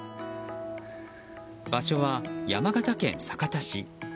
場所は山形県酒田市。